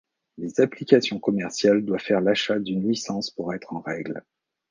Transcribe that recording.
Les applications commerciales doivent faire l'achat d'une licence pour être en règle.